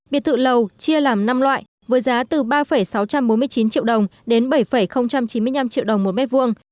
biệt tự lầu chia làm năm loại với giá từ ba sáu trăm bốn mươi chín triệu đồng đến bảy chín mươi năm triệu đồng một mét vuông